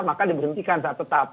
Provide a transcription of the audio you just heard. maka diberhentikan saat tetap